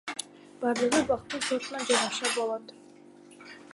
Бардыгы бактын сортуна жараша болот.